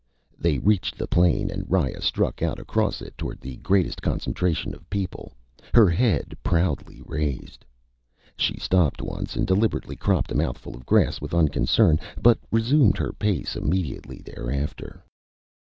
They reached the plain, and Riya struck out across it toward the greatest concentration of people, her head proudly raised. She stopped once, and deliberately cropped a mouthful of grass with unconcern, but resumed her pace immediately thereafter.